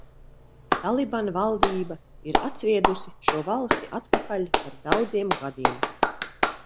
Taliban valdība ir atsviedusi šo valsti atpakaļ par daudziem gadiem.